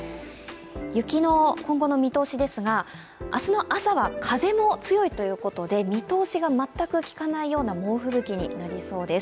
雪の今後の見通しですが明日の朝は風も強いということで、見通しが全くきかないような猛吹雪になりそうです。